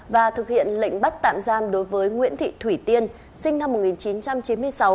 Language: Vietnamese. và thực hiện lệnh bắt tạm giam đối với nguyễn thị thủy tiên sinh năm một nghìn chín trăm chín mươi sáu